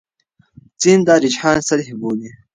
ځینې دا رجحان سطحي بولي.